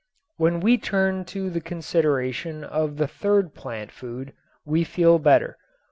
When we turn to the consideration of the third plant food we feel better.